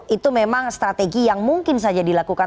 itu memang strategi yang mungkin saja dilakukan